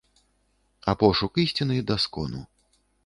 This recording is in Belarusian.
А пошук ісціны да скону.